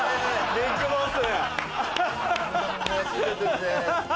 ビッグボス。